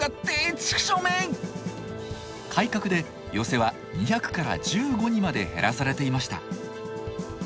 改革で寄席は２００から１５にまで減らされていました。